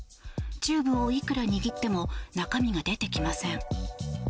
チューブをいくら握っても中身が出てきません。